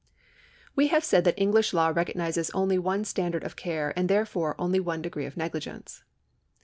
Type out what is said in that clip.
We have said that English law recognises only one standard of care and therefore only one degree of negligence.